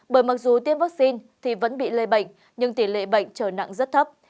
bởi mặc dù tiêm vắc xin thì vẫn bị lây bệnh nhưng tỉ lệ bệnh trở nặng rất thấp